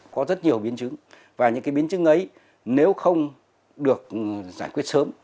có rất nhiều biến chứng và những biến chứng ấy nếu không được giải quyết sớm